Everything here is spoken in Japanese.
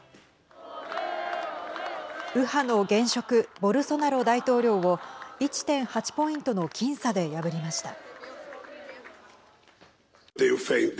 右派の現職ボルソナロ大統領を１．８ポイントの僅差で破りました。